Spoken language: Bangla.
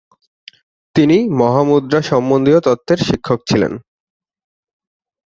তিনি মহামুদ্রা সন্বন্ধীয় তত্ত্বের শিক্ষক ছিলেন।